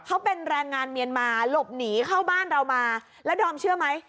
เขาเป็นแรงงานเมียนมาหลบหนีเข้าบ้านเรามาแล้วดอมเชื่อไหม